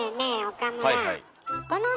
岡村。